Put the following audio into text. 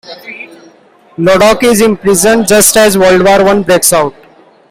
Lodocq is imprisoned just as World War One breaks out.